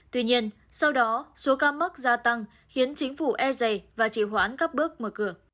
tuy nhiên sau đó số ca mắc gia tăng khiến chính phủ e dày và chỉ hoãn các bước mở cửa